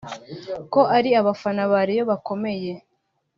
ko ari abafana ba Rayon bakomeye